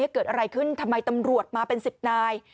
เกิดอะไรขึ้นทำไมตำรวจมาเป็น๑๐นาย